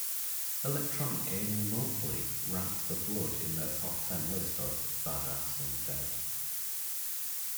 "Electronic Gaming Monthly" ranked the Flood in their top ten list of "badass undead".